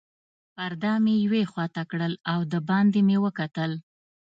پرده مې یوې خواته کړل او دباندې مې وکتل.